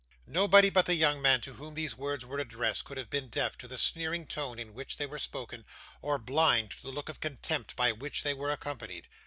Nobody but the young man to whom these words were addressed could have been deaf to the sneering tone in which they were spoken, or blind to the look of contempt by which they were accompanied.